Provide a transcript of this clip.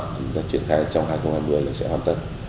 thì chúng ta triển khai trong hai nghìn hai mươi là sẽ hoàn tất